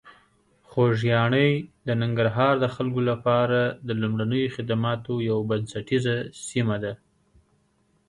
خوږیاڼي د ننګرهار د خلکو لپاره د لومړنیو خدماتو یوه بنسټیزه سیمه ده.